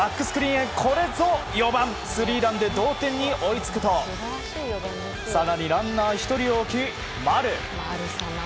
これぞ４番スリーランで同点に追いつくと更にランナー１人を置き、丸。